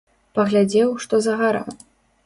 Паглядзеў, што за гара.